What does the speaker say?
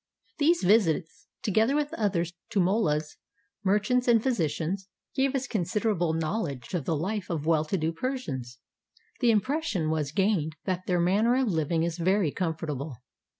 These visits, together "with others to mollas, mer chants, and physicians, gave us considerable knowledge of the life of well to do Persians. The impression was gained that their manner of living is very comfortable.